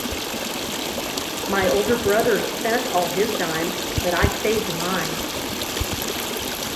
My older brother spent all his dimes but I saved mine.